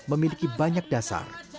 memiliki banyak dasar